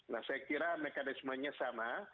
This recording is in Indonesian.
nah saya kira mekanismenya sama